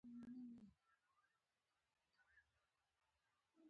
نړۍوالتوب تولید ارزانو هېوادونو ته لېږدوي.